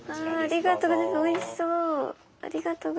ありがとうございます。